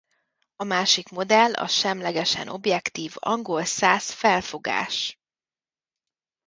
A másik modell a semlegesen objektív angolszász felfogás.